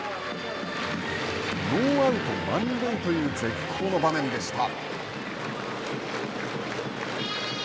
ノーアウト、満塁という絶好の場面でした。